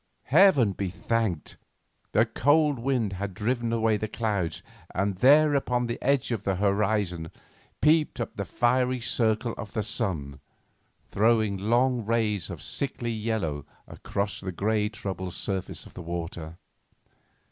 Heaven be thanked! the cold wind had driven away the clouds, and there, upon the edge of the horizon, peeped up the fiery circle of the sun, throwing long rays of sickly yellow across the grey, troubled surface of the waters.